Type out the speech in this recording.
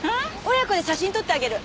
親子で写真撮ってあげる。